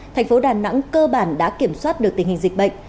tp đà nẵng cơ bản đã kiểm soát được tình hình dịch bệnh